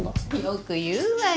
よく言うわよ